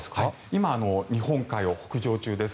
今、日本海を北上中です。